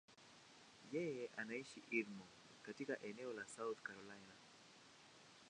Yeye anaishi Irmo, katika eneo la South Carolina.